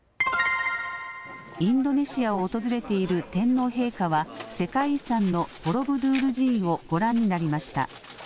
インドネシアを訪れている天皇陛下は世界遺産のボロブドゥール寺院をご覧になりました。